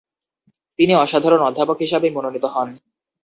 তিনি অসাধারণ অধ্যাপক হিসাবে মনোনীত হন।